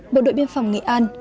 bộ đội biên phòng nghệ an